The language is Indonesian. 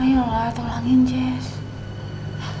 ayolah tolongin jess